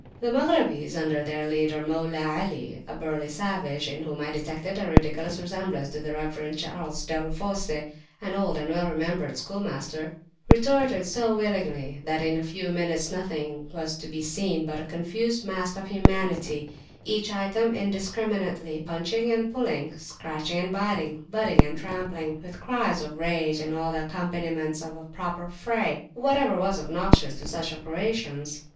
The Maghrabis, under their leader, "Maula Ali," a burly savage, in whom I detected a ridiculous resemblance to the Rev. Charles Delafosse, an old and well remembered schoolmaster, retorted so willingly that in a few minutes nothing was to be seen but a confused mass of humanity, each item indiscriminately punching and pulling, scratching and biting, butting and trampling, with cries of rage, and all the accompaniments of a proper fray, whatever was obnoxious to such operations.